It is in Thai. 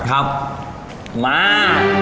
ครับมา